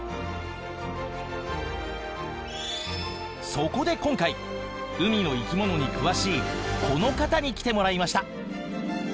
そこで今回海の生き物に詳しいこの方に来てもらいました。